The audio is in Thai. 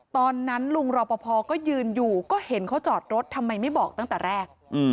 ตอนนั้นลุงรอปภก็ยืนอยู่ก็เห็นเขาจอดรถทำไมไม่บอกตั้งแต่แรก